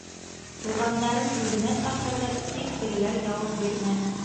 Туғандарын үҙенә саҡырҙы, тик тегеләр яуап бирмәне.